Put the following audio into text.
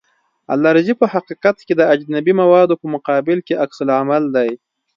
الرژي په حقیقت کې د اجنبي موادو په مقابل کې عکس العمل دی.